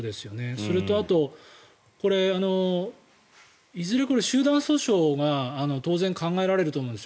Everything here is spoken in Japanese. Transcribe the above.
それとあと、いずれ集団訴訟が当然、考えられると思うんです。